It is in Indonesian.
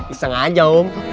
iseng aja om